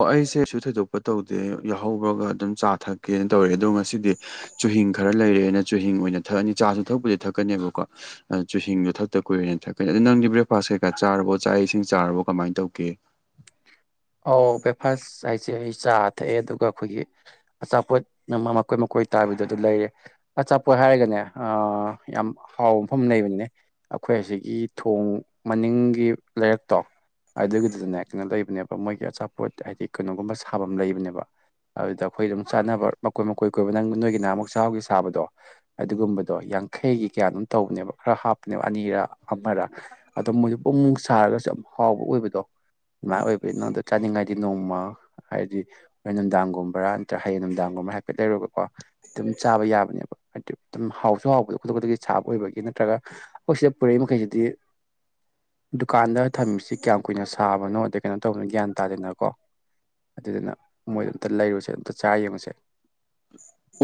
ꯑꯣ ꯑꯩꯁꯦ ꯀꯩꯁꯨ ꯊꯣꯏꯗꯣꯛꯄ ꯇꯧꯗꯦ ꯌꯥꯍꯧꯕꯒ ꯑꯗꯨꯝ ꯆꯥ ꯊꯛꯀꯦꯅ ꯇꯧꯔꯤ ꯑꯗꯣ ꯉꯁꯤꯗꯤ ꯆꯨꯍꯤꯡ ꯈꯔ ꯂꯩꯔꯛꯑꯦꯅ ꯆꯨꯍꯤꯡ ꯑꯣꯏꯅ ꯊꯛꯑꯅꯤ ꯆꯥꯁꯨ ꯊꯛꯄꯨꯗꯤ ꯊꯛꯀꯅꯦꯕꯀꯣ ꯆꯨꯍꯤꯁꯤꯡꯗꯣ ꯊꯛꯇ ꯀꯨꯏꯔꯦꯅ ꯊꯛꯀꯅꯤ ꯑꯗꯣ ꯅꯪꯗꯤ ꯕ꯭ꯔꯦꯛꯐꯥꯁ ꯀꯩꯀꯥ ꯆꯥꯔꯕꯣ ꯆꯥꯛ ꯏꯁꯤꯡ ꯆꯥꯔꯕꯣ ꯀꯃꯥꯏꯅ ꯇꯧꯒꯦ ꯑꯧ ꯕ꯭ꯔꯦꯛꯐꯥꯁ ꯍꯥꯏꯁꯦ ꯑꯩ ꯆꯥ ꯊꯛꯑꯦ ꯑꯗꯨꯒ ꯑꯩꯈꯣꯏꯒꯤ ꯑꯆꯥꯄꯣꯠ ꯑꯃ ꯃꯀꯣꯏ ꯃꯀꯣꯏ ꯇꯥꯕꯤꯗꯨ ꯑꯗꯨ ꯂꯩꯔꯦ ꯑꯆꯥꯄꯣꯠ ꯍꯥꯏꯔꯒꯅꯦ ꯑ ꯌꯥꯝ ꯍꯥꯎꯕ ꯃꯐꯝ ꯂꯩꯕꯅꯤꯅꯦ ꯑꯩꯈꯣꯏ ꯑꯁꯤꯒꯤ ꯊꯣꯡ ꯃꯅꯤꯡꯒꯤ ꯂꯩꯔꯛꯇꯣ ꯑꯗꯨꯒꯤꯗꯨꯗꯅꯦ [unintelligible] ꯂꯩꯕꯅꯦꯕ ꯃꯣꯏꯒꯤ ꯑꯆꯥꯄꯣꯠ ꯍꯥꯏꯗꯤ ꯀꯩꯅꯣꯒꯨꯝꯕ ꯁꯥꯕꯝ ꯂꯩꯕꯅꯦꯕ ꯑꯗꯨꯗ ꯑꯩꯈꯣꯏ ꯑꯗꯨꯝ ꯆꯥꯅꯕ ꯃꯀꯣꯏ ꯃꯀꯣꯏ ꯀꯣꯏꯕ ꯅꯪ ꯅꯣꯏꯒꯤ ꯅꯍꯥꯟꯃꯨꯛ ꯆꯍꯥꯎꯒꯤ ꯁꯥꯕꯗꯣ ꯑꯗꯨꯒꯨꯝꯕꯗꯣ ꯌꯥꯡꯈꯩꯒꯤ ꯀꯌꯥꯅꯣꯝ ꯇꯧꯕꯅꯦꯕ ꯈꯔ ꯍꯥꯞꯄꯅꯦꯕ ꯑꯅꯤꯔ ꯑꯃꯔ ꯑꯗꯣ ꯃꯣꯏꯁꯨ ꯕꯨꯡ ꯕꯨꯡ ꯁꯥꯔꯒꯁꯨ ꯌꯥꯝ ꯍꯥꯎꯕ ꯑꯣꯏꯕꯗꯣ ꯗꯨꯃꯥꯏ ꯑꯣꯏꯕꯩ ꯅꯉꯣꯟꯗ ꯆꯥꯅꯤꯡꯉꯥꯏꯗꯤ ꯅꯣꯡꯃ ꯍꯥꯏꯗꯤ ꯍꯣꯔꯦꯟ ꯅꯨꯡꯗꯥꯡꯒꯨꯝꯕꯔꯥ ꯅꯠꯇ꯭ꯔ ꯍꯌꯦꯡ ꯅꯨꯡꯗꯥꯡꯒꯨꯝꯕꯔꯥ ꯍꯥꯏꯐꯦꯠ ꯂꯩꯔꯨꯔꯒꯀꯣ ꯑꯗꯨꯝ ꯆꯥꯕ ꯌꯥꯕꯅꯦꯕ ꯍꯥꯏꯗꯤ ꯑꯗꯨꯝ ꯍꯥꯎꯁꯨ ꯍꯥꯎꯕꯗꯣ ꯈꯨꯗꯛ ꯈꯨꯗꯛꯒꯤ ꯁꯥꯕ ꯑꯣꯏꯕꯒꯤ ꯅꯠꯇ꯭ꯔꯒ ꯑꯩꯈꯣꯏ ꯁꯤꯗ ꯄꯨꯔꯛꯏ ꯃꯈꯩꯁꯤꯗꯤ ꯗꯨꯀꯥꯟꯗ ꯊꯝꯃꯤꯁꯤ ꯀꯌꯥꯝ ꯀꯨꯏꯅ ꯁꯥꯕꯅꯣ ꯑꯗ ꯀꯩꯅꯣ ꯇꯧꯕꯅꯤꯅ ꯒ꯭ꯌꯥꯟ ꯇꯥꯗꯦꯅꯀꯣ ꯑꯗꯨꯗꯨꯅ ꯃꯣꯏꯗ ꯑꯝꯇ ꯂꯩꯔꯨꯁꯦ ꯑꯝꯇ ꯆꯥ ꯌꯦꯡꯉꯨꯁꯦ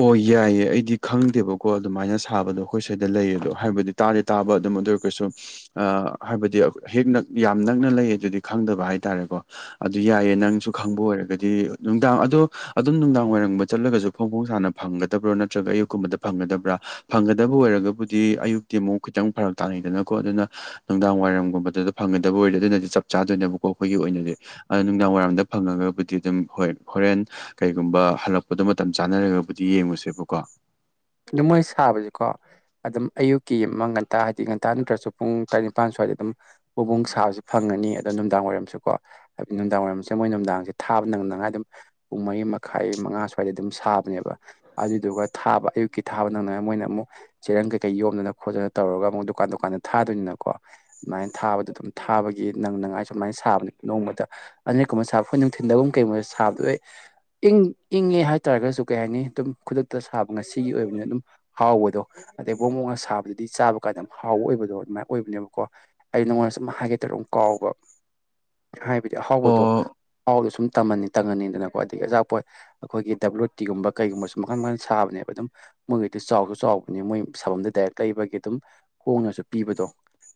ꯑꯣ ꯌꯥꯏꯌꯦ ꯑꯩꯗꯤ ꯈꯪꯗꯦꯕꯀꯣ ꯑꯗꯨꯃꯥꯏꯅ ꯁꯥꯕꯗꯣ ꯑꯩꯈꯣꯏ ꯁ꯭ꯋꯥꯏꯗ ꯂꯩꯌꯦ ꯑꯗꯣ ꯍꯥꯏꯕꯗꯤ ꯇꯥꯗꯤ ꯇꯥꯕ ꯑꯗꯨꯝ ꯑꯗꯨ ꯑꯣꯏꯔꯒꯁꯨ ꯑ ꯍꯥꯏꯕꯗꯤ ꯍꯦꯛ ꯅꯛ ꯌꯥꯝ ꯅꯛꯅ ꯂꯩꯑꯦꯗꯨꯗꯤ ꯈꯪꯗꯕ ꯍꯥꯏ ꯇꯥꯔꯦꯀꯣ ꯑꯗꯨ ꯌꯥꯏꯌꯦ ꯅꯪꯁꯨ ꯈꯪꯕ ꯑꯣꯏꯔꯒꯗꯤ ꯅꯨꯡꯗꯥꯡ ꯑꯗꯣ ꯑꯗꯨꯝ ꯅꯨꯡꯗꯥꯡ ꯋꯥꯏꯔꯝ ꯆꯠꯂꯒꯁꯨ ꯐꯣꯡ ꯐꯣꯡ ꯁꯥꯅ ꯐꯪꯒꯗꯕ꯭ꯔꯥ ꯅꯠꯇ꯭ꯔꯒ ꯑꯌꯨꯛꯀꯨꯝꯕꯗ ꯐꯪꯒꯗꯕ꯭ꯔꯥ ꯐꯪꯒꯗꯕ ꯑꯣꯏꯔꯒꯕꯨꯗꯤ ꯑꯌꯨꯛꯇꯤ ꯑꯃꯨꯛ ꯈꯤꯇꯪ ꯐꯔꯛ ꯇꯥꯟꯅꯩꯗꯅꯀꯣ ꯑꯗꯨꯅ ꯅꯨꯡꯗꯥꯡ ꯋꯥꯏꯔꯝꯒꯨꯝꯕꯗꯨꯗ ꯐꯪꯒꯗꯕ ꯑꯣꯏꯔꯗꯤ ꯑꯗꯨꯅꯗꯤ ꯆꯞ ꯆꯥꯗꯣꯏꯅꯦꯕꯀꯣ ꯑꯩꯈꯣꯏꯒꯤ ꯑꯣꯏꯅꯗꯤ ꯑ ꯅꯨꯡꯗꯥꯡ ꯋꯥꯏꯔꯝꯗ ꯐꯪꯉꯒꯕꯨꯗꯤ ꯑꯗꯨꯝ ꯍꯣꯏ ꯍꯣꯔꯦꯟ ꯀꯩꯒꯨꯝꯕ ꯍꯜꯂꯛꯄꯗ ꯃꯇꯝ ꯆꯥꯟꯅꯔꯒꯕꯨꯗꯤ ꯌꯦꯡꯉꯨꯁꯦꯕꯀꯣ ꯑꯗꯨ ꯃꯣꯏ ꯁꯥꯕꯕꯁꯦꯀꯣ ꯑꯗꯨꯝ ꯑꯌꯨꯛꯀꯤ ꯑꯃ ꯉꯟꯇꯥ ꯍꯥꯏꯗꯤ ꯉꯟꯇꯥ ꯅꯠꯇ꯭ꯔꯁꯨ ꯄꯨꯡ ꯇꯔꯥꯠ ꯅꯤꯄꯥꯥꯟ ꯁ꯭ꯋꯥꯏꯗ ꯑꯗꯨꯝ ꯕꯨꯡ ꯕꯨꯡ ꯁꯥꯕꯁꯤ ꯐꯪꯉꯅꯤ ꯑꯗꯣ ꯅꯨꯡꯗꯥꯡ ꯋꯥꯏꯔꯝꯁꯨꯀꯣ ꯅꯨꯡꯗꯥꯡ ꯋꯥꯏꯔꯝꯁꯦ ꯃꯣꯏ ꯅꯨꯡꯗꯥꯡꯁꯦ ꯊꯥꯕ ꯅꯪꯅꯉꯥꯏ ꯑꯗꯨꯝ ꯄꯨꯡ ꯃꯔꯤ ꯃꯈꯥꯏ ꯃꯉꯥ ꯁ꯭ꯋꯥꯏꯗ ꯑꯗꯨꯝ ꯁꯥꯕꯅꯦꯕ ꯑꯗꯨꯗꯨꯒ ꯊꯥꯕ ꯑꯌꯨꯛ ꯀꯤ ꯊꯥꯕ ꯅꯪꯅꯉꯥꯏ ꯃꯣꯏꯅ ꯑꯃꯨꯛ ꯆꯦꯔꯪ ꯀꯩꯀꯩ ꯌꯣꯝꯗꯅ ꯈꯣꯠꯇꯅ ꯇꯧꯔꯒ ꯑꯃꯨꯛ ꯗꯨꯀꯥꯟ ꯗꯨꯀꯥꯟꯗ ꯊꯥꯗꯣꯏꯅꯤꯅꯀꯣ ꯗꯨꯃꯥꯏ ꯊꯥꯕꯗꯣ ꯑꯗꯨꯝ ꯊꯥꯕꯒꯤ ꯅꯪꯅꯉꯥꯏ ꯁꯨꯃꯥꯏ ꯁꯥꯕꯅꯦ ꯅꯣꯡꯃꯇ ꯑꯅꯤꯔꯛ ꯀꯨꯝꯕ ꯁꯥꯕ ꯑꯩꯈꯣꯏ ꯅꯨꯡꯊꯤꯜꯗꯒꯨꯝ ꯀꯩꯒꯨꯝꯕ ꯁꯥꯕꯗꯣ ꯑꯣꯏ ꯏꯪ ꯏꯪꯉꯦ ꯍꯥꯏꯇꯥꯔꯒꯁꯨ ꯀꯩ ꯍꯥꯏꯅꯤ ꯑꯗꯨꯝ ꯈꯨꯗꯛꯇ ꯁꯥꯕ ꯉꯁꯤꯒꯤ ꯑꯣꯏꯕꯅꯤꯅ ꯑꯗꯨꯝ ꯍꯥꯎꯕꯗꯣ ꯑꯗꯩ ꯕꯣꯡ ꯕꯣꯡꯒ ꯁꯥꯕꯗꯨꯗꯤ ꯆꯥꯕ ꯀꯥꯟꯗ ꯍꯥꯎꯕ ꯑꯣꯏꯕꯗꯣ ꯑꯗꯨꯃꯥꯏꯅ ꯑꯣꯏꯕꯅꯦꯕꯀꯣ ꯑꯩ ꯅꯉꯣꯟꯗ ꯁꯨꯝ ꯍꯥꯏꯒꯦ ꯇꯧꯔ ꯑꯗꯨꯝ ꯀꯥꯎꯕ ꯍꯥꯏꯕꯗꯤ ꯑꯍꯥꯎꯕꯗꯣ ꯑꯣ ꯑꯍꯥꯎꯗꯣ ꯁꯨꯝ ꯇꯝꯃꯅꯤ ꯇꯪꯉꯅꯤꯗꯅꯀꯣ ꯑꯗꯒꯤ ꯑꯆꯥꯥꯛꯄꯣꯠ ꯑꯩꯈꯣꯏꯒꯤ ꯗꯕ꯭ꯂꯨꯇꯤꯒꯨꯝꯕ ꯀꯩꯒꯨꯝꯕꯁꯨ ꯃꯈꯜ ꯃꯈꯜ ꯁꯥꯕꯅꯦꯕ ꯑꯗꯨꯝ ꯃꯣꯏꯒꯤꯗꯨ ꯆꯥꯎꯁꯨ ꯆꯥꯎꯕꯅꯦ ꯃꯣꯏ ꯁꯥꯕꯝꯗꯩ ꯗꯥꯏꯔꯦꯛ ꯂꯩꯕꯒꯤ ꯑꯗꯨꯝ ꯍꯣꯡꯅꯁꯨ ꯄꯤꯕꯗꯣ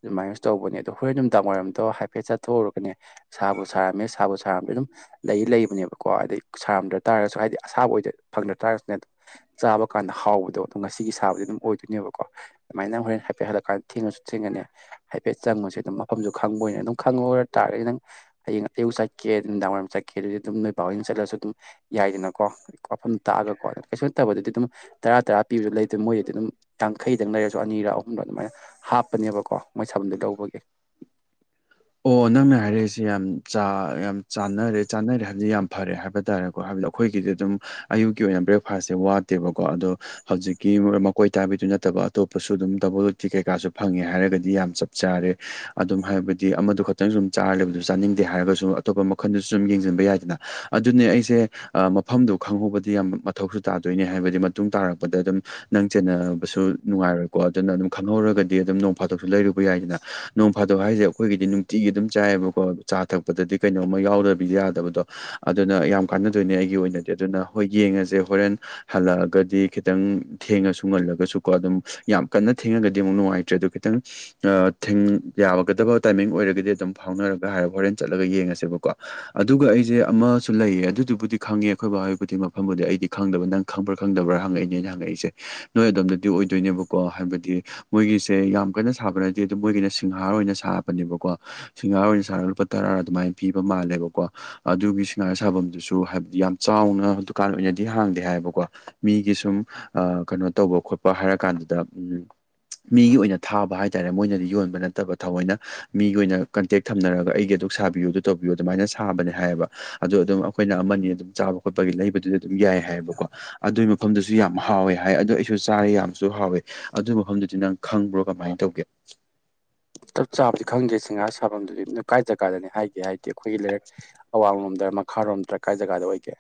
ꯑꯗꯨꯃꯥꯏꯅꯁꯨ ꯇꯧꯕꯅꯦ ꯑꯗꯣ ꯍꯣꯔꯦꯟ ꯅꯨꯡꯗꯥꯡ ꯋꯥꯏꯔꯝꯗꯣ ꯍꯥꯏꯐꯦꯠ ꯆꯠꯊꯣꯛꯎꯔꯒꯅꯦ ꯁꯥꯕꯨ ꯁꯥꯔꯝꯃꯦ ꯁꯥꯕꯨ ꯁꯥꯔꯝꯗꯔꯦ ꯑꯗꯨꯝ ꯂꯩ ꯂꯩꯕꯅꯦꯕꯀꯣ ꯍꯥꯏꯗꯩ ꯁꯥꯔꯝꯗ꯭ꯔ ꯇꯥꯔꯒꯁꯨ ꯍꯥꯏꯗꯤ ꯑꯁꯥꯕ ꯑꯣꯏꯗ ꯐꯪꯗ ꯇꯥꯔꯒꯁꯨꯅꯦ ꯆꯥꯕ ꯀꯥꯟꯗ ꯍꯥꯎꯕꯗꯣ ꯑꯗꯨꯝ ꯉꯁꯤꯒꯤ ꯁꯥꯕꯗꯤ ꯑꯗꯨꯝ ꯑꯣꯏꯗꯣꯏꯅꯦꯕꯀꯣ ꯑꯗꯨꯃꯥꯏꯅ ꯍꯣꯔꯦꯟ ꯍꯥꯏꯐꯦꯠ ꯍꯜꯂꯛꯀꯥꯟꯗ ꯊꯦꯡꯉꯁꯨ ꯊꯦꯡꯅꯅꯦ ꯍꯥꯏꯐꯦꯠ ꯆꯪꯉꯨꯁꯦ ꯑꯗꯨꯝ ꯃꯐꯝꯁꯨ ꯈꯪꯕ ꯑꯣꯏꯅ ꯑꯗꯨꯝ ꯈꯪꯉ ꯑꯣꯏꯔ ꯇꯥꯔꯗꯤ ꯅꯪ ꯍꯌꯦꯡ ꯑꯌꯨꯛ ꯆꯠꯀꯦ ꯅꯨꯃꯤꯗꯥꯡ ꯋꯥꯏꯔꯝ ꯆꯠꯀꯦ ꯑꯗꯨꯗꯤ ꯑꯗꯨꯝ ꯅꯣꯏ ꯕꯥ ꯍꯣꯏꯅ ꯆꯠꯂꯁꯨ ꯑꯗꯨꯝ ꯌꯥꯏꯗꯅꯀꯣ ꯋꯥꯐꯝ ꯇꯥꯛꯑꯒꯀꯣ ꯑꯗꯨ ꯀꯩꯁꯨ ꯅꯠꯇꯕꯗꯗꯤ ꯑꯗꯨꯝ ꯇꯔꯥ ꯇꯔꯥ ꯄꯤꯕꯗꯨ ꯂꯩꯇꯦ ꯃꯣꯏꯗꯗꯤ ꯑꯗꯨꯝ ꯌꯥꯡꯈꯩꯗꯪ ꯂꯩꯔꯁꯨ ꯑꯅꯤꯔ ꯑꯍꯨꯝꯔ ꯑꯗꯨꯃꯥꯏꯅ ꯍꯥꯞꯄꯅꯦꯕꯀꯣ ꯃꯣꯏ ꯁꯟꯗꯩ ꯂꯧꯕꯒꯤ ꯑꯣ ꯅꯪꯅ ꯍꯥꯏꯔꯛꯏꯁꯦ ꯌꯥꯝ ꯌꯥꯝ ꯆꯅꯔꯦ ꯆꯥꯅꯔꯦ ꯍꯥꯏꯕꯗꯤ ꯌꯥꯝ ꯐꯔꯦ ꯍꯥꯏꯕ ꯇꯥꯔꯦꯀꯣ ꯀꯣ ꯍꯥꯏꯕꯗꯤ ꯑꯈꯣꯏꯒꯤꯗꯤ ꯑꯗꯨꯝ ꯑꯌꯨꯛꯀꯤ ꯑꯣꯏꯅ ꯕ꯭ꯔꯦꯛꯐꯥꯁꯁꯦ ꯋꯥꯠꯇꯦꯕꯀꯣ ꯑꯗꯣ ꯍꯧꯖꯤꯛꯀꯤ ꯃꯈꯣꯏ ꯇꯥꯕꯤꯗꯨ ꯅꯠꯇꯕ ꯑꯇꯣꯞꯄꯁꯨ ꯑꯗꯨꯝ ꯗꯕꯜ ꯂꯣꯇꯤ ꯀꯩꯀꯥꯁꯨ ꯐꯪꯉꯦ ꯍꯥꯏꯔꯒꯗꯤ ꯌꯥꯝ ꯆꯞ ꯆꯥꯔꯦ ꯑꯗꯨꯝ ꯍꯥꯏꯕꯗꯤ ꯗꯤ ꯑꯃꯗꯨ ꯈꯛꯇꯪ ꯁꯨꯝ ꯆꯥꯔꯖꯨ ꯆꯥꯅꯤꯡꯗꯦ ꯍꯥꯏꯔꯒꯁꯨ ꯑꯇꯣꯞꯄ ꯃꯈꯜꯗꯨꯁꯨ ꯁꯨꯝ ꯌꯦꯡꯁꯤꯟꯕ ꯌꯥꯏꯗꯅ ꯑꯗꯨꯅꯦ ꯑꯩꯁꯦ ꯑ ꯃꯐꯝꯗꯣ ꯈꯪꯍꯧꯕꯗꯤ ꯌꯥꯝ ꯃꯊꯧꯁꯨ ꯇꯥꯗꯣꯏꯅꯦ ꯍꯥꯏꯕꯗꯤ ꯃꯇꯨꯡ ꯇꯥꯔꯛꯄꯗ ꯑꯗꯨꯝ ꯅꯪ ꯆꯦꯟꯅꯕꯁꯨ ꯅꯨꯡꯉꯥꯏꯔꯣꯏꯀꯣ ꯑꯗꯨꯅ ꯑꯗꯨꯝ ꯈꯪꯍꯧꯔꯒꯗꯤ ꯑꯗꯨꯝ ꯅꯣꯡ ꯐꯥꯗꯣꯛꯁꯨ ꯂꯩꯔꯨꯕ ꯌꯥꯏꯗꯅ ꯅꯣꯡ ꯐꯥꯗꯣꯛ ꯍꯥꯏꯁꯦ ꯑꯈꯣꯏꯒꯤꯗꯤ ꯅꯨꯡꯇꯤꯒꯤ ꯑꯗꯨꯝ ꯆꯥꯏꯌꯦꯕꯀꯣ ꯆꯥ ꯊꯛꯄꯗꯗꯤ ꯀꯩꯅꯣꯝꯃ ꯌꯥꯎꯗꯕꯗꯤ ꯌꯥꯗꯕꯗꯣ ꯑꯗꯨꯅ ꯌꯥꯝ ꯀꯥꯟꯅꯗꯣꯏꯅꯦ ꯑꯩꯒꯤ ꯑꯣꯏꯅꯗꯤ ꯑꯗꯨꯅ ꯍꯣꯏ ꯌꯦꯡꯉꯁꯦ ꯍꯣꯔꯦꯟ ꯍꯜꯂꯛꯑꯒꯗꯤ ꯈꯤꯇꯪ ꯊꯦꯡꯉꯁꯨ ꯉꯜꯂꯒꯁꯨꯀꯣ ꯑꯗꯨꯝ ꯌꯥꯝ ꯀꯟꯅ ꯊꯦꯡꯉꯒꯗꯤ ꯑꯃꯨꯛ ꯅꯨꯡꯉꯥꯏꯇ꯭ꯔꯦ ꯑꯗꯨ ꯈꯤꯇꯪ ꯑ ꯊꯤꯡ ꯌꯥꯒꯗꯕ ꯇꯥꯏꯃꯤꯡ ꯑꯣꯏꯔꯒꯗꯤ ꯑꯗꯨꯝ ꯐꯥꯎꯅꯔꯒ ꯍꯥꯏꯔ ꯍꯣꯔꯦꯟ ꯆꯠꯂꯒ ꯌꯦꯡꯉꯁꯦꯕꯀꯣ ꯑꯗꯨꯒ ꯑꯩꯁꯦ ꯑꯃꯁꯨ ꯂꯩꯌꯦ ꯑꯗꯨꯗꯨꯕꯨꯗꯤ ꯈꯪꯉꯦ ꯑꯈꯣꯏ ꯕꯥ ꯍꯣꯏꯕꯨꯗꯤ ꯃꯐꯝꯕꯨꯗꯤ ꯑꯩꯗꯤ ꯈꯪꯗꯕ ꯅꯪ ꯈꯪꯕ꯭ꯔꯥ ꯈꯪꯗꯕ꯭ꯔꯥ ꯍꯪꯉꯛꯏꯅꯦ ꯑꯩꯅ ꯍꯪꯉꯛꯏꯁꯦ ꯅꯣꯏ ꯑꯗꯣꯝꯗꯗꯤ ꯑꯣꯏꯗꯣꯏꯅꯦꯕꯀꯣ ꯍꯥꯏꯕꯗꯤ ꯃꯣꯏꯒꯤꯁꯦ ꯌꯥꯝ ꯀꯟꯅ ꯁꯥꯕ ꯅꯠꯇꯦ ꯑꯗꯨꯝ ꯃꯣꯏꯒꯤꯅ ꯁꯤꯡꯍꯥꯔ ꯑꯣꯏꯅ ꯁꯥꯕꯅꯦꯕꯀꯣ ꯁꯤꯡꯍꯥ ꯑꯣꯏꯅ ꯁꯥꯔꯒ ꯂꯨꯄꯥ ꯇꯔꯥ ꯑꯗꯨꯃꯥꯏꯅ ꯄꯤꯕ ꯃꯥꯜꯂꯦꯕꯀꯣ ꯑꯗꯨꯒꯤ ꯁꯤꯡꯍꯥ ꯁꯥꯐꯝꯗꯨꯁꯨ ꯍꯥꯏꯕꯗꯤ ꯌꯥꯝ ꯆꯥꯎꯅ ꯗꯨꯀꯥꯟ ꯑꯣꯏꯅꯗꯤ ꯍꯥꯡꯗꯦ ꯍꯥꯏꯌꯦꯕꯀꯣ ꯃꯤꯒꯤ ꯁꯨꯝ ꯑ ꯀꯩꯅꯣ ꯇꯧꯕ ꯈꯣꯠꯄ ꯍꯥꯏꯔ ꯀꯥꯟꯗꯨꯗ ꯎꯝ ꯃꯤꯒꯤ ꯑꯣꯏꯅ ꯊꯥꯕ ꯍꯥꯏꯇꯥꯔꯦ ꯃꯣꯏꯅꯗꯤ ꯌꯣꯟꯕ ꯅꯠꯇꯕ ꯊꯑꯣꯏꯅ ꯃꯤꯒꯤ ꯑꯣꯏꯅ ꯀꯟꯇꯦꯛ ꯊꯝꯅꯔꯒ ꯑꯩꯒꯤ ꯑꯗꯨꯛ ꯁꯥꯕꯤꯌꯨ ꯑꯗꯨ ꯇꯧꯕꯤꯌꯨ ꯑꯗꯨꯃꯥꯏꯅ ꯁꯥꯕꯅꯦ ꯍꯥꯏꯌꯦꯕ ꯑꯗꯨ ꯑꯗꯨꯝ ꯑꯈꯣꯏꯅ ꯑꯃꯅꯤ ꯑꯗꯨꯝ ꯆꯥꯕ ꯈꯣꯠꯄꯒꯤ ꯂꯩꯕꯗꯨꯗꯤ ꯑꯗꯨꯝ ꯌꯥꯏ ꯍꯥꯏꯌꯦꯕꯀꯣ ꯑꯗꯨꯏ ꯃꯐꯝꯗꯨꯁꯨ ꯌꯥꯝ ꯍꯥꯎꯋꯦ ꯍꯥꯏ ꯑꯗꯨ ꯑꯩꯁꯨ ꯆꯥꯔꯦ ꯌꯥꯝꯁꯨ ꯍꯥꯎꯋꯦ ꯑꯗꯨ ꯃꯐꯝꯗꯨꯗꯤ ꯅꯪ ꯈꯪꯕ꯭ꯔꯣ ꯀꯃꯥꯏ ꯇꯧꯒꯦ ꯆꯞ ꯆꯥꯕꯗꯤ ꯈꯪꯗꯦ ꯁꯤꯡꯒꯥꯥ ꯁꯥꯐꯝꯗꯨꯗꯤ ꯑꯗꯨ ꯀꯥꯏ ꯖꯒꯥꯗꯅꯤ ꯍꯥꯏꯒꯦ ꯍꯥꯏꯗꯤ ꯑꯈꯣꯏꯒꯤ ꯂꯩꯔꯛ ꯑꯋꯥꯡ ꯂꯣꯝꯗꯝ ꯃꯈꯥꯔꯣꯝꯗꯔ ꯀꯥꯏ ꯖꯒꯥꯗ ꯑꯣꯏꯒꯦ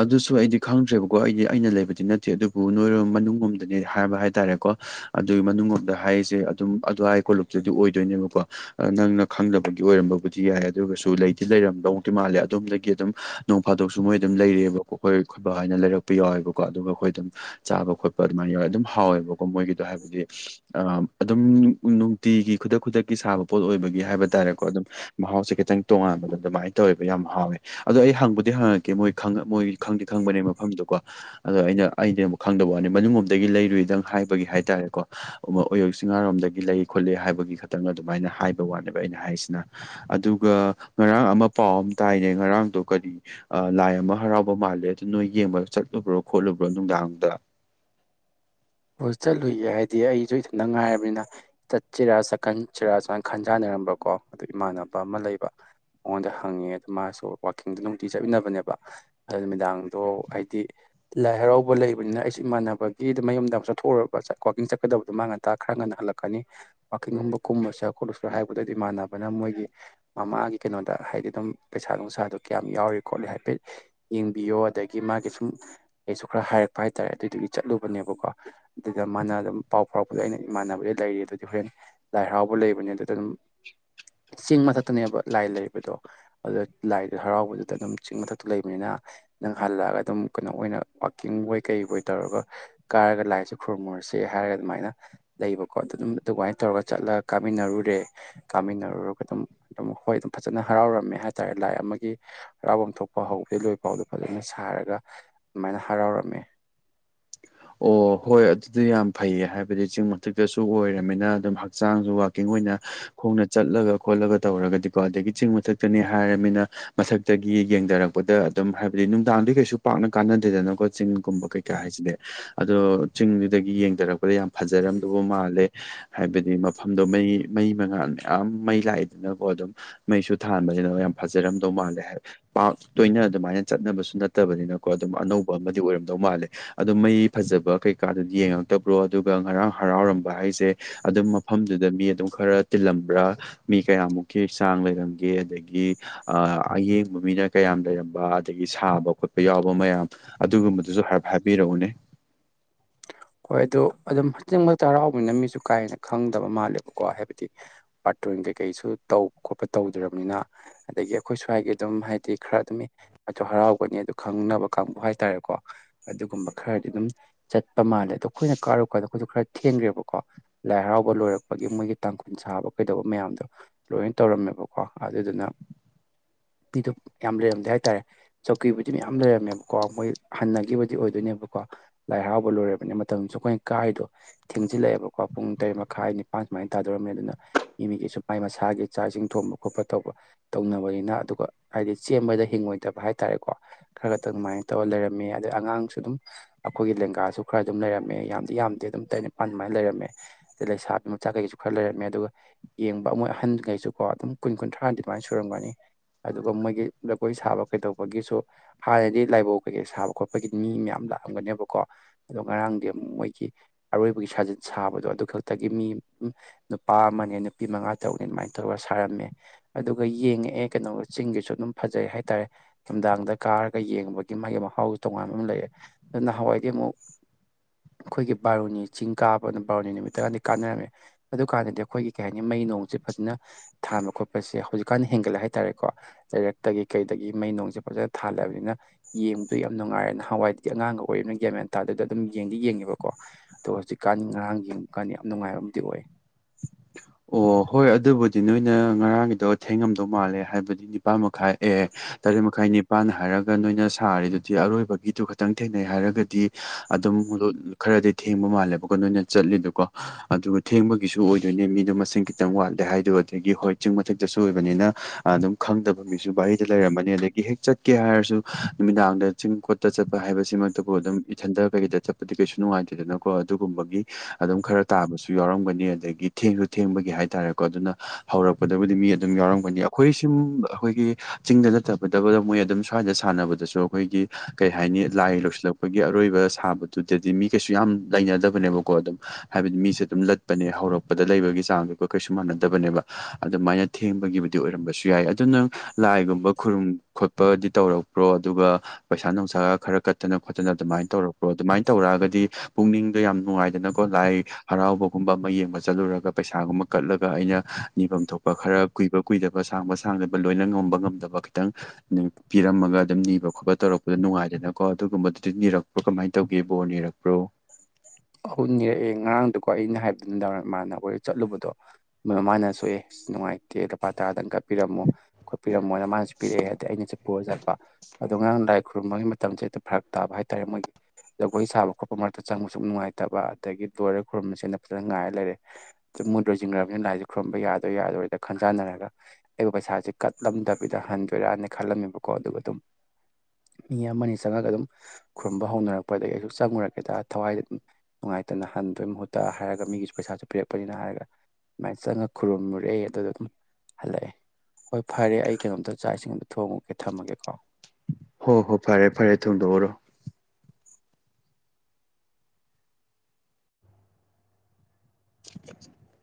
ꯑꯗꯨꯁꯨ ꯑꯩꯗꯤ ꯈꯪꯗ꯭ꯔꯦꯕꯀꯣ ꯑꯩꯗꯤ ꯑꯩꯅ ꯂꯩꯕꯗꯤ ꯅꯠꯇꯦ ꯑꯗꯨꯕꯨ ꯅꯣꯏꯔꯣꯝ ꯃꯅꯨꯡꯂꯣꯝꯗꯅꯦ ꯍꯥꯏꯕ ꯍꯥꯏ ꯇꯥꯔꯦꯀꯣ ꯑꯗꯨꯒꯤ ꯃꯅꯨꯡꯂꯣꯝꯗ ꯍꯥꯏꯔꯤꯁꯦ ꯑꯗꯨꯝ ꯑꯗꯨꯋꯥꯏ ꯀꯣꯂꯨꯞꯇꯗꯤ ꯑꯣꯏꯗꯣꯏꯅꯦꯕꯀꯣ ꯅꯪꯅ ꯈꯪꯗꯕꯒꯤ ꯑꯣꯏꯔꯝꯕꯕꯨꯗꯤ ꯌꯥꯏ ꯑꯗꯨꯒꯁꯨ ꯂꯩꯗꯤ ꯂꯩꯔꯝꯗꯧꯗꯤ ꯃꯥꯜꯂꯦ ꯑꯗꯣꯝꯗꯒꯤ ꯑꯗꯨꯝ ꯅꯣꯡ ꯐꯥꯗꯣꯛ ꯗꯨꯃꯣꯏ ꯑꯗꯨꯝ ꯂꯩꯔꯛꯑꯦꯕꯀꯣ ꯑꯈꯣꯏ ꯀꯀꯥ ꯍꯣꯏꯅ ꯂꯩꯔꯛꯄ ꯌꯥꯎꯋꯦꯕꯀꯣ ꯑꯗꯨꯒ ꯑꯈꯣꯏ ꯑꯗꯨꯝ ꯆꯥꯕ ꯈꯣꯠꯄ ꯑꯗꯨꯃꯥꯏꯅ ꯌꯥꯎꯋꯦ ꯑꯗꯨꯝ ꯍꯥꯎꯋꯦꯕꯀꯣ ꯃꯣꯏꯒꯤꯗꯣ ꯍꯥꯏꯕꯗꯤ ꯑ ꯑꯗꯨꯝ ꯅꯨꯡꯇꯤꯒꯤ ꯈꯨꯗꯛ ꯈꯨꯗꯛꯀꯤ ꯁꯥꯕ ꯄꯣꯠ ꯑꯣꯏꯕꯒꯤ ꯍꯥꯏꯕ ꯇꯥꯔꯦꯀꯣ ꯑꯗꯨꯝ ꯃꯍꯥꯎꯁꯦ ꯈꯤꯇꯪ ꯇꯣꯡꯉꯥꯟꯕꯗ ꯑꯗꯨꯃꯥꯏꯅ ꯇꯧꯋꯦꯕ ꯌꯥꯝ ꯍꯥꯎꯋꯦ ꯑꯗꯣ ꯑꯩ ꯍꯪꯕꯨꯗꯤ ꯍꯪꯉ ꯀꯦ ꯃꯣꯏ ꯃꯣꯏ ꯈꯪꯗꯤ ꯈꯪꯕꯅꯦ ꯃꯐꯝꯗꯨ ꯀꯣ ꯑꯗꯣ ꯑꯩꯅ ꯑꯩꯗꯤ ꯑꯃꯨꯛ ꯈꯪꯗꯕ ꯋꯥꯅꯤ ꯃꯅꯨꯡꯗꯂꫭꯝꯗꯒꯤ ꯂꯩꯔꯨꯏꯗꯪ ꯍꯥꯏꯕꯒꯤ ꯍꯥꯏ ꯇꯥꯔꯦꯀꯣ ꯑꯣꯌꯣꯛ ꯆꯤꯡ ꯉꯥꯔꯣꯝꯗꯒꯤ ꯂꯩ ꯈꯣꯠꯂꯤ ꯍꯥꯏꯕꯒꯤ ꯈꯛꯇꯪꯅ ꯑꯗꯨꯃꯥꯏꯅ ꯍꯥꯏꯕ ꯋꯥꯅꯦꯕ ꯑꯩꯅ ꯍꯥꯏꯁꯤꯅ ꯑꯗꯨꯒ ꯉꯔꯥꯡ ꯑꯃ ꯄꯥꯎ ꯑꯃ ꯇꯥꯏꯅꯦ ꯉꯔꯥꯡꯗꯣ ꯀꯔꯤ ꯑ ꯂꯥꯏ ꯑꯃ ꯍꯔꯥꯎꯕ ꯃꯥꯜꯂꯦ ꯑꯗꯨ ꯅꯣꯏ ꯌꯦꯡꯕ ꯆꯠꯂꯨꯕ꯭ꯔꯣ ꯈꯣꯠꯂꯨꯕ꯭ꯔꯣ ꯅꯨꯡꯗꯥꯡꯗ ꯍꯣꯏ ꯆꯠꯂꯨꯏꯌꯦ ꯍꯥꯏꯗꯤ ꯑꯩꯁꯨ ꯏꯊꯟꯇ ꯉꯥꯏꯔꯕꯅꯤꯅ ꯆꯠꯁꯤꯔꯥ ꯆꯀꯟ ꯆꯔꯥ ꯁꯨꯃꯥꯏꯅ ꯈꯟꯖꯥꯟꯅꯔꯝꯕꯀꯣ ꯑꯗꯨ ꯏꯃꯥꯟꯅꯕ ꯑꯃ ꯂꯩꯕ ꯃꯉꯣꯟꯗ ꯍꯪꯉꯦ ꯑꯗꯨ ꯃꯥꯁꯨ ꯋꯥꯀꯤꯡꯗꯤ ꯅꯨꯡꯇꯤ ꯆꯠꯃꯤꯟꯅꯕꯅꯦꯕ ꯑꯗꯨ ꯅꯨꯃꯤꯗꯥꯡꯗꯣ ꯍꯥꯏꯗꯤ ꯂꯥꯏ ꯍꯔꯥꯎꯕ ꯂꯩꯕꯅꯤꯅ ꯑꯩꯁꯨ ꯏꯃꯥꯟꯅꯕꯒꯤ ꯑꯗꯨ ꯃꯌꯨꯝꯗ ꯆꯠꯊꯣꯛꯎꯔꯕ ꯋꯥꯀꯤꯡ ꯆꯠꯀꯗꯕꯗꯣ ꯃꯥ ꯉꯟꯇꯥ ꯈꯔ ꯉꯟꯅ ꯍꯜꯂꯛꯀꯅꯤ ꯋꯥꯀꯤꯡꯒꯨꯝꯕ ꯀꯨꯝꯃꯒ ꯈꯣꯠꯂꯁꯨ ꯍꯥꯏꯕꯗꯗꯤ ꯏꯃꯥꯟꯅꯕꯅ ꯃꯣꯏꯒꯤ ꯃꯃꯥꯒꯤ ꯀꯩꯅꯣꯗ ꯍꯥꯏꯗꯤ ꯑꯗꯨꯝ ꯄꯩꯁꯥ ꯅꯨꯡꯁꯥꯗꯣ ꯀꯌꯥꯝ ꯌꯥꯎꯔꯤ ꯈꯣꯠꯂꯤ ꯍꯥꯏꯐꯦꯠ ꯌꯦꯡꯕꯤꯌꯣ ꯑꯗꯒꯤ ꯃꯥꯒꯤ ꯁꯨꯝ ꯑꯩꯁꯨ ꯈꯔ ꯍꯥꯏꯔꯛꯄ ꯍꯥꯏꯇꯥꯔꯦ ꯑꯗꯨꯏꯗꯨꯒꯤ ꯆꯠꯂꯨꯕꯅꯦꯕꯀꯣ ꯑꯗꯨꯗ ꯃꯥꯅ ꯑꯗꯨꯝ ꯄꯥꯎ ꯐꯥꯎꯔꯛꯄꯗ ꯑꯩꯅ ꯏꯃꯥꯟꯅꯕꯗ ꯂꯩꯔꯤ ꯑꯗꯨꯗꯤ ꯍꯣꯔꯦꯟ ꯂꯥꯏ ꯍꯔꯥꯎꯕ ꯂꯩꯕꯅꯦ ꯑꯗꯨꯗ ꯑꯗꯨꯝ ꯆꯦꯡ ꯃꯊꯛꯇꯅꯦꯕ ꯂꯥꯏ ꯂꯩꯕꯗꯣ ꯑꯗꯨꯗ ꯂꯥꯏꯗ ꯍꯔꯥꯎꯕꯗꯨꯗ ꯑꯗꯨꯝ ꯆꯤꯡ ꯃꯊꯛꯇ ꯂꯩꯕꯅꯤꯅ ꯅꯪ ꯍꯜꯂꯛꯑꯒ ꯑꯗꯨꯝ ꯀꯩꯅꯣ ꯑꯣꯏꯅ ꯋꯥꯛꯀꯤꯡꯕꯣꯏ ꯀꯩ ꯍꯣꯏ ꯇꯧꯔꯒ ꯀꯥꯔꯒ ꯂꯥꯏꯁꯦ ꯈꯨꯔꯨꯝꯃꯔꯁꯦ ꯍꯥꯏꯔꯒ ꯑꯗꯨꯃꯥꯏꯅ ꯂꯩꯕꯀꯣ ꯑꯗꯨ ꯑꯗꯨꯝ ꯑꯗꯨꯃꯥꯏꯅ ꯇꯧꯔꯒ ꯆꯠꯂ ꯀꯥꯞꯃꯤꯟꯅꯔꯨꯔꯦ ꯀꯥꯃꯤꯟꯅꯔꯨꯔꯒ ꯑꯗꯨꯝ ꯑꯗꯨꯝ ꯍꯣꯏ ꯑꯗꯨꯝ ꯐꯖꯅ ꯍꯔꯥꯎꯔꯝꯃꯦ ꯍꯥꯏꯇꯥꯔꯦ ꯂꯥꯏ ꯑꯃꯒꯤ ꯍꯔꯥꯎꯐꯝ ꯊꯣꯛꯄ ꯍꯧꯗꯦ ꯂꯣꯏ ꯄꯥꯎꯗ ꯐꯖꯅ ꯁꯥꯔꯒ ꯑꯗꯨꯃꯥꯏꯅ ꯍꯔꯥꯎꯔꯝꯃꯦ ꯑꯣ ꯍꯣꯏ ꯑꯗꯨꯗꯤ ꯌꯥꯝ ꯐꯩꯌꯦ ꯍꯥꯏꯕꯗꯤ ꯆꯤꯡ ꯃꯊꯛꯇꯁꯨ ꯑꯣꯏꯔꯕꯃꯤꯅ ꯑꯗꯨꯝ ꯍꯛꯆꯥꯡꯁꯨ ꯋꯥꯛꯀꯤꯡ ꯑꯣꯏꯅ ꯈꯣꯡꯅ ꯆꯠꯂꯒ ꯈꯣꯠꯂꯒ ꯇꯧꯔꯒꯗꯤꯀꯣ ꯑꯗꯒꯤ ꯆꯤꯡ ꯃꯊꯛꯇꯅꯤ ꯍꯥꯏꯔꯃꯤꯅ ꯃꯊꯛꯇꯒꯤ ꯌꯦꯡꯊꯔꯛꯄꯗ ꯑꯗꯨꯝ ꯍꯥꯏꯕꯗꯤ ꯅꯨꯡꯗꯥꯡꯗꯨ ꯀꯩꯁꯨ ꯄꯥꯛꯅ ꯀꯥꯟꯅꯗꯦꯗꯅꯀꯣ ꯆꯤꯡꯒꯨꯝꯕ ꯀꯩꯀꯥ ꯍꯥꯏꯁꯤꯗꯤ ꯑꯗꯣ ꯆꯤꯡꯗꯨꯗꯒꯤ ꯌꯦꯡꯊꯔꯛꯄꯗ ꯌꯥꯝ ꯐꯖꯔꯝꯗꯕ ꯃꯥꯜꯂꯦ ꯍꯥꯏꯕꯗꯤ ꯃꯐꯝꯗꯣ ꯃꯩ ꯃꯩ ꯃꯉꯥꯜ ꯃꯌꯥꯝ ꯃꯩ ꯂꯥꯛꯏꯗꯅꯀꯣ ꯑꯗꯨꯝ ꯃꯩꯁꯨ ꯊꯥꯟꯕꯅꯤꯅ ꯌꯥꯝ ꯐꯖꯔꯝꯗꯧ ꯃꯥꯜꯂꯦ ꯍꯥꯏ ꯄꯥꯛ ꯇꯣꯏꯅ ꯑꯗꯨꯃꯥꯏꯅ ꯆꯠꯅꯕꯁꯨ ꯅꯠꯇꯕꯅꯤꯅꯀꯣ ꯑꯗꯨꯝ ꯑꯅꯧꯕ ꯑꯃꯗꯤ ꯑꯣꯏꯔꯝꯗꯧ ꯃꯥꯜꯂꯦ ꯑꯗꯨꯝ ꯃꯩ ꯐꯖꯕ ꯀꯩꯀꯥꯗꯨꯗꯤ ꯌꯦꯡꯉꯛꯇꯕ꯭ꯔꯣ ꯑꯗꯨꯒ ꯉꯔꯥꯡ ꯍꯔꯥꯎꯔꯝꯕ ꯍꯥꯏꯁꯦ ꯑꯗꯨꯝ ꯃꯐꯝꯗꯨꯗ ꯃꯤ ꯑꯗꯨꯝ ꯈꯔ ꯇꯤꯜꯂꯝꯕ꯭ꯔꯥ ꯃꯤ ꯀꯌꯥꯃꯨꯛꯀꯤ ꯆꯥꯡ ꯂꯩꯔꯝꯒꯦ ꯑꯗꯒꯤ ꯑꯌꯦꯡꯕ ꯃꯤꯅ ꯀꯌꯥꯝ ꯂꯩꯔꯝꯕ ꯑꯗꯒꯤ ꯁꯥꯕ ꯈꯣꯠꯄ ꯌꯥꯎꯕ ꯃꯌꯥꯝ ꯑꯗꯨꯒꯨꯝꯕꯗꯨꯁꯨ ꯍꯥꯏꯕꯤꯔꯛꯎꯅꯦ ꯍꯣꯏ ꯑꯗꯨꯗꯣ ꯑꯗꯨꯝ ꯍꯖꯤꯤꯡꯃꯛ ꯍꯔꯥꯎꯕꯅꯤꯅ ꯃꯤꯁꯨ ꯀꯥꯏꯦꯅ ꯈꯪꯗꯕ ꯃꯥꯜꯂꯦꯕꯀꯣ ꯍꯥꯏꯕꯗꯤ ꯄꯥꯔꯇꯟ ꯀꯩꯀꯩꯁꯨ ꯇꯧ ꯈꯣꯠꯄ ꯇꯧꯗ꯭ꯔꯕꯅꯤꯅ ꯑꯗꯒꯤ ꯑꯩꯈꯣꯏ ꯁ꯭ꯋꯥꯏꯒꯤ ꯑꯗꯨꯝ ꯍꯥꯏꯗꯤ ꯈꯔ ꯑꯗꯨꯝ ꯑꯗꯨ ꯍꯔꯥꯎꯒꯅꯤ ꯑꯗꯨ ꯈꯪꯅꯕ ꯀꯥꯡꯕꯨ ꯍꯥꯏꯇꯥꯔꯦꯀꯣ ꯑꯗꯨꯒꯨꯝꯕ ꯈꯔꯗꯤ ꯑꯗꯨꯝ ꯇ ꯃꯥꯜꯂꯦ ꯑꯗꯣꯈꯣꯏ ꯀꯔꯨꯀꯥꯟꯗ ꯑꯩꯈꯣꯏꯣ ꯈꯔ ꯊꯦꯡꯈ꯭ꯔꯦꯕꯀꯣ ꯂꯥꯏ ꯍꯔꯥꯎꯕ ꯂꯣꯏꯔꯛꯄꯒꯤ ꯃꯣꯏꯒꯤ ꯇꯥꯡꯈꯨꯜ ꯁꯥꯕ ꯀꯩꯗꯧꯕ ꯃꯌꯥꯝꯗꯣ ꯂꯣꯏ ꯇꯧꯔꯝꯃꯦꯕꯀꯣ ꯑꯗꯨꯗꯨꯅ ꯄꯤꯗꯨꯣ ꯌꯥꯝ ꯂꯩꯔꯝꯗꯦ ꯍꯥꯏꯇꯥꯔꯦ ꯆꯧꯀꯤꯕꯨꯗꯤ ꯃꯌꯥꯝ ꯂꯩꯔꯝꯃꯦꯕꯀꯣ ꯃꯣꯏ ꯍꯟꯅꯒꯤꯕꯨꯗꯤ ꯑꯣꯏꯗꯣꯏꯅꯦꯕꯀꯣ ꯂꯥꯏ ꯍꯔꯥꯎ ꯎꯠꯂꯣꯏꯔꯕꯅꯤ ꯃꯇꯝꯁꯨ ꯑꯩꯈꯣꯏꯅ ꯀꯥꯏꯗꯣ ꯊꯤꯡꯖꯤꯜꯂꯛꯑꯦꯕꯀꯣ ꯄꯨꯡ ꯇꯔꯦꯠ ꯃꯈꯥꯏ ꯅꯤꯄꯥꯥꯟ ꯁꯨꯃꯥꯏꯅ ꯇꯥꯗꯧꯔꯝꯅꯤ ꯑꯗꯨꯅ ꯏꯃꯤꯒꯤꯁꯨ ꯃꯥꯏ ꯃꯁꯥꯒꯤ ꯆꯥꯔꯖꯤꯡ ꯊꯣꯡꯕ ꯈꯣꯠꯄ ꯇꯧꯕ ꯇꯧꯅꯕꯅꯤꯅ ꯑꯗꯨꯒ ꯍꯥꯏꯗꯤ ꯆꯦꯟꯕꯗ ꯍꯤꯡꯉꯣꯏꯗꯕ ꯍꯥꯏꯇꯥꯔꯦꯀꯣ ꯈꯔ ꯈꯛꯇꯪ ꯑꯗꯨꯃꯥꯏꯅ ꯇꯧꯔ ꯂꯩꯔꯝꯃꯤ ꯑꯗꯩ ꯑꯉꯥꯡꯁꯨ ꯑꯗꯨꯝ ꯑꯩꯈꯣꯏꯒꯤ ꯂꯦꯡꯒꯥ ꯁꯨ ꯈꯔ ꯑꯗꯨꯝ ꯂꯩꯔꯝꯃꯦ ꯌꯥꯝꯗꯤ ꯌꯥꯝꯗꯤꯦ ꯑꯗꯨꯝ ꯇꯩꯅꯅꯤꯄꯥꯟ ꯑꯗꯨꯃꯥꯏꯅ ꯂꯩꯔꯝꯃꯦ ꯂꯩꯁꯥꯕꯤ ꯃꯆꯥ ꯀꯩꯁꯨ ꯈꯔ ꯂꯩꯔꯝꯃꯦ ꯑꯗꯨꯒ ꯌꯦꯡꯕ ꯃꯣꯏ ꯑꯍꯟꯈꯩꯁꯨꯀꯣ ꯑꯗꯨꯝ ꯀꯨꯟ ꯀꯨꯟꯊ꯭ꯔꯥꯗꯤ ꯑꯗꯨꯃꯥꯏꯅ ꯁꯨꯔꯝꯒꯅꯤ ꯑꯗꯨꯒ ꯃꯣꯏꯒꯤ ꯖꯒꯣꯏ ꯁꯥꯕ ꯀꯩꯗꯧꯕꯒꯤꯁꯨ ꯍꯥꯟꯅꯗꯤ ꯂꯥꯏꯕꯛ ꯀꯩꯀꯩ ꯁꯥꯕ ꯈꯣꯠꯄꯒꯤ ꯃꯤ ꯃꯌꯥꯝ ꯂꯥꯛꯑꯂꯝꯒꯅꯦꯕꯀꯣ ꯑꯗꯣ ꯉꯔꯥꯡꯗꯤ ꯑꯃꯨ ꯃꯣꯏꯒꯤ ꯑꯔꯣꯏꯕꯒꯤ ꯁꯥꯖꯟ ꯁꯥꯕꯗꯣ ꯑꯗꯨ ꯈꯛꯇꯒꯤ ꯃꯤꯝ ꯅꯨꯄꯥ ꯑꯃꯅꯦ ꯅꯨꯄꯤ ꯃꯉꯥ ꯇꯔꯧꯛꯅꯦ ꯑꯗꯨꯃꯥꯏꯅ ꯇꯧꯔ ꯁꯥꯔꯝꯃꯦ ꯑꯗꯨꯒ ꯌꯦꯡꯉꯛꯑꯦ ꯀꯩꯅꯣ ꯆꯤꯡꯒꯤꯁꯨ ꯑꯗꯨꯝ ꯐꯖꯩ ꯍꯥꯏꯇꯥꯔꯦ ꯝꯗꯥꯡꯗ ꯀꯥꯔꯒ ꯌꯦꯡꯕꯒꯤ ꯃꯥꯒꯤ ꯃꯍꯥꯎꯁꯨ ꯇꯣꯉꯥꯟꯕ ꯑꯃ ꯂꯩꯔꯑꯦ ꯑꯗꯨ ꯅꯍꯥꯟꯋꯥꯏꯗꯤ ꯑꯃꯨꯛ ꯑꯩꯈꯣꯏꯒꯤ ꯕꯥꯔꯣꯅꯤ ꯆꯤꯡ ꯀꯥꯕꯅ ꯕꯥꯔꯣꯅꯤ ꯅꯨꯃꯤꯠ ꯇꯔꯥꯗꯤ ꯀꯥꯟꯅꯔꯝꯃꯦ ꯑꯗꯨꯀꯥꯟꯗꯗꯤ ꯑꯩꯈꯣꯏꯒꯤ ꯀꯩ ꯍꯥꯏꯅꯤ ꯃꯩ ꯅꯣꯡꯁꯦ ꯐꯖꯅ ꯊꯥꯥꯟꯕ ꯈꯣꯠꯄꯁꯦ ꯍꯧꯖꯤꯛꯀꯥꯟ ꯍꯦꯟꯒꯠꯂꯦ ꯍꯥꯏꯇꯥꯔꯦꯀꯣ ꯂꯩꯔꯛꯇꯒꯤ ꯀꯩꯗꯒꯤ ꯃꯩ ꯅꯨꯡꯁꯦ ꯐꯖꯅ ꯊꯥꯜꯂꯦꯑꯕꯅꯤꯅ ꯌꯦꯡꯕꯗꯣ ꯌꯥꯝ ꯅꯨꯡꯉꯥꯏꯔꯦꯅ ꯍꯋꯥꯏꯗꯤ ꯑꯉꯥꯡꯒ ꯑꯣꯏꯔꯤꯕꯅꯤ ꯒꯦꯝꯃꯦꯅ ꯇꯥ ꯑꯗꯨꯗ ꯑꯗꯨꯝ ꯌꯦꯡꯗꯤ ꯌꯦꯡꯉꯦꯕꯀꯣ ꯑꯗꯣ ꯍꯧꯖꯤꯛꯀꯥꯟ ꯉꯔꯥꯡ ꯌꯦꯡꯕ ꯀꯥꯟꯗ ꯌꯥꯝ ꯅꯨꯡꯉꯥꯏꯕ ꯑꯃꯗꯤ ꯑꯣꯏ ꯑꯣ ꯍꯣꯏ ꯑꯗꯨꯕꯨꯗꯤ ꯅꯣꯏꯅ ꯉꯔꯥꯡꯒꯤꯗꯣ ꯊꯦꯡꯉꯝꯗꯧ ꯃꯥꯜꯂꯦ ꯍꯥꯏꯕꯗꯤ ꯅꯤꯄꯥꯜ ꯃꯈꯥꯏ ꯑꯦ ꯇꯔꯦꯠ ꯃꯈꯥꯏ ꯅꯤꯄꯥꯟ ꯍꯥꯏꯔꯒ ꯅꯣꯏꯅ ꯁꯥꯔꯤꯗꯨꯗꯤ ꯑꯔꯣꯏꯕꯒꯤꯗꯨ ꯈꯇꯪ ꯊꯦꯡꯅꯩ ꯍꯥꯏꯔꯒꯗꯤ ꯑꯗꯨꯝ ꯈꯔꯗꯤ ꯊꯦꯡꯕ ꯃꯥꯜꯂꯦꯕꯀꯣ ꯅꯣꯏꯅ ꯆꯠꯂꯤꯗꯨꯀꯣ ꯑꯗꯨꯒ ꯊꯦꯡꯕꯒꯤꯁꯨ ꯑꯣꯏꯗꯣꯏꯅꯦ ꯃꯤ ꯑꯗꯨ ꯃꯁꯤꯡ ꯈꯤꯇꯪ ꯋꯥꯠꯂꯦ ꯍꯥꯏꯗꯣ ꯑꯗꯒꯤ ꯍꯣꯏ ꯆꯤꯡ ꯃꯊꯛꯇꯁꯨ ꯑꯣꯏꯕꯅꯤꯅ ꯑꯗꯨꯝ ꯈꯪꯗꯕ ꯃꯤꯁꯨ ꯕꯥꯔꯤꯗ ꯂꯩꯔꯝꯃꯥꯅꯤ ꯑꯗꯒꯤ ꯍꯦꯍꯦꯛ ꯆꯠꯀꯦ ꯍꯥꯏꯔꯁꯨ ꯅꯨꯃꯤꯗꯥꯡꯗ ꯆꯤꯡ ꯀꯣꯠꯇ ꯆꯠꯄ ꯍꯥꯏꯕꯁꯤꯃꯛꯇꯕꯨ ꯑꯗꯨꯝ ꯏꯊꯟꯗ ꯀꯔꯤꯗ ꯆꯠꯄ ꯗꯤ ꯀꯩꯁꯨ ꯅꯨꯡꯉꯥꯏꯇꯦꯗꯅꯀꯣ ꯑꯗꯨꯒꯨꯝꯕꯒꯤ ꯑꯗꯨꯝ ꯈꯔ ꯇꯥꯕꯁꯨ ꯌꯥꯎꯔꯝꯒꯅꯤ ꯑꯗꯒꯤ ꯊꯦꯡꯁꯨ ꯊꯦꯡꯕꯒꯤ ꯍꯥꯏꯇꯥꯔꯦꯀꯣ ꯑꯗꯨꯅ ꯍꯧꯔꯛꯄꯗꯕꯨꯗꯤ ꯃꯤ ꯑꯗꯨꯝ ꯌꯥꯎꯔꯝꯒꯅꯤ ꯑꯩꯈꯣꯏ ꯁꯨꯝ ꯑꯩꯈꯣꯏꯒꯤ ꯆꯤꯡꯗ ꯅꯥꯠꯇꯕꯗꯨ ꯃꯣꯏ ꯑꯗꯨꯝ ꯁ꯭ꯋꯥꯏꯗ ꯁꯥꯟꯅꯕꯗꯁꯨ ꯑꯩꯈꯣꯏꯒꯤ ꯀꯩ ꯍꯥꯏꯅꯤ ꯂꯥꯏ ꯂꯣꯏꯁꯤꯜꯂꯛꯄꯒꯤ ꯑꯔꯣꯏꯕ ꯁꯥꯕꯗꯨꯗꯗꯤ ꯃꯤ ꯀꯩꯁꯨ ꯌꯥꯝ ꯂꯩꯅꯗꯕꯅꯦꯕ ꯀꯣ ꯑꯗꯨꯝ ꯍꯥꯏꯕꯗꯤ ꯃꯤꯁꯦ ꯑꯗꯨꯝ ꯂꯠꯄꯅꯦ ꯍꯧꯔꯛꯄꯗ ꯂꯩꯕꯒꯤ ꯆꯥꯡꯗꯨꯒ ꯀꯩꯁꯨ ꯃꯥꯟꯅꯗꯕꯅꯦꯕ ꯑꯗꯨꯃꯥꯏꯅ ꯊꯦꯡꯕꯒꯤꯕꯨꯗꯤ ꯑꯣꯏꯔꯝꯕꯁꯨ ꯌꯥꯏ ꯑꯗꯨ ꯅꯪ ꯂꯥꯏꯒꯨꯝꯕ ꯈꯨꯔꯨꯝ ꯈꯣꯠꯄꯗꯤ ꯇꯧꯔꯛꯄ꯭ꯔꯣ ꯑꯗꯨꯒ ꯄꯩꯁꯥ ꯅꯨꯡꯁꯥ ꯈꯔ ꯀꯠꯇꯅ ꯈꯣꯠꯇꯅ ꯑꯗꯨꯃꯥꯏꯅ ꯇꯧꯔꯛꯄ꯭ꯔꯣ ꯑꯗꯨꯃꯥꯏꯅ ꯇꯧꯔꯛ ꯑꯒꯗꯤ ꯄꯨꯛꯅꯤꯡꯗꯣ ꯌꯥꯝ ꯅꯨꯡꯉꯥꯏꯗꯅꯀꯣ ꯂꯥꯏ ꯍꯔꯥꯎꯕ ꯒꯨꯝꯕ ꯑꯃ ꯌꯦꯡꯕ ꯆꯠꯂꯨꯔꯒ ꯄꯩꯁꯥꯒꯨꯝꯕ ꯀꯠꯂꯒ ꯑꯩꯅ ꯅꯤꯐꯝ ꯊꯣꯛꯄ ꯈꯔ ꯀꯨꯏꯕ ꯀꯨꯏꯗꯕ ꯁꯥꯡꯕ ꯁꯥꯡꯗꯕ ꯂꯣꯏꯅ ꯉꯝꯕ ꯉꯝꯗꯕ ꯈꯤꯇꯪ ꯄꯤꯔꯝꯃꯒ ꯑꯗꯨꯝ ꯅꯤꯕ ꯈꯣꯠꯄ ꯇꯧꯔꯛꯄꯗ ꯅꯨꯡꯉꯥꯏꯗꯅꯀꯣ ꯑꯗꯨꯒꯨꯝꯕꯗꯨꯗꯤ ꯅꯤꯔꯛꯄ ꯑꯣ ꯀꯃꯥꯏꯅ ꯇꯧꯒꯦ ꯕꯣꯔ ꯅꯤꯔꯛꯄ꯭ꯔꯣ ꯍꯣꯏ ꯅꯤꯔꯛꯑꯦ ꯉꯔꯥꯡꯗꯀꯣ ꯑꯩꯅ ꯍꯥꯏꯕꯗꯨꯗꯥ ꯃꯥꯅ ꯑꯩꯈꯣꯏ ꯆꯠꯂꯨꯕꯗꯣ ꯃꯣꯏ ꯃꯃꯥꯅꯁꯨ ꯑꯦ ꯅꯨꯡꯉꯥꯏꯇꯦꯗ ꯂꯨꯄꯥ ꯇꯔꯗꯪꯀꯛ ꯄꯤꯔꯝꯃꯣ ꯈꯣꯠꯄꯤꯔꯝꯃꯣꯅ ꯃꯥꯅꯁꯨ ꯄꯤꯔꯛꯑꯦ ꯑꯗꯥꯒꯤ ꯑꯩꯅꯁꯨ ꯄꯨꯔ ꯆꯠꯄ ꯑꯗꯣ ꯉꯔꯥꯡ ꯂꯥꯏ ꯈꯨꯔꯨꯝꯕꯒꯤ ꯃꯇꯝꯁꯦ ꯑꯗꯨ ꯐꯔꯛ ꯇꯥꯕ ꯍꯥꯏꯇꯥꯔꯦ ꯃꯣꯏꯒꯤ ꯖꯒꯣꯏ ꯁꯥꯕ ꯈꯣꯠꯄ ꯃꯔꯛꯇ ꯆꯪꯕꯁꯨꯛ ꯅꯨꯡꯉꯥꯏꯇꯕ ꯑꯗꯒꯤ ꯂꯣꯏꯔ ꯈꯨꯔꯨꯝꯁꯦꯅ ꯐꯖꯅ ꯉꯥꯏꯔ ꯂꯩꯔꯦ ꯃꯨꯟꯗꯣꯏ ꯆꯤꯡꯅꯔꯕꯅꯤꯅ ꯂꯥꯏꯁꯦ ꯈꯨꯔꯝꯕ ꯌꯥꯗꯣꯏꯔꯥ ꯌꯥꯗꯣꯏꯔꯗ ꯈꯟꯖꯥꯟꯅꯔꯒ ꯑꯩꯕꯨ ꯄꯩꯁꯥꯁꯦ ꯀꯠꯂꯝꯗꯕꯤꯗ ꯍꯟꯗꯣꯏꯔꯥꯅ ꯈꯜꯂꯝꯃꯦꯕꯀꯣ ꯑꯗꯨꯒ ꯑꯗꯨꯝ ꯃꯤ ꯑꯃꯅꯤ ꯆꯪꯉꯒ ꯑꯗꯨꯝ ꯈꯨꯔꯨꯝꯕ ꯍꯧꯅꯔꯛꯄꯗꯒꯤ ꯑꯩꯁꯨ ꯆꯪꯉꯨꯔꯛꯀꯦ ꯍꯦꯛꯇꯥ ꯊꯋꯥꯏ ꯅꯨꯡꯉꯥꯏꯇꯅ ꯍꯟꯕꯩ ꯃꯍꯨꯠꯇ ꯍꯥꯏꯔꯒ ꯃꯤꯒꯤꯁꯨ ꯄꯩꯁꯥꯁꯨ ꯄꯤꯔꯛꯄꯅꯤꯅ ꯍꯥꯏꯔꯒ ꯑꯗꯨꯨꯃꯥꯏꯅ ꯆꯪꯉ ꯈꯨꯔꯨꯝ ꯃꯨꯔꯦ ꯑꯗꯨꯗ ꯑꯗꯨꯝ ꯍꯜꯂꯛꯑꯦ ꯍꯣꯏ ꯐꯔꯦ ꯑꯩ ꯀꯩꯅꯣꯝꯇ ꯆꯥꯛ ꯏꯁꯤꯡ ꯑꯗ ꯊꯣꯡꯉꯒꯦ ꯊꯝꯃꯦꯒꯦ ꯀꯣ ꯍꯣ ꯍꯣꯏ ꯐꯔꯦ ꯐꯔꯦ ꯊꯣꯡꯗꯣꯛꯎꯔꯣ [unintelligible]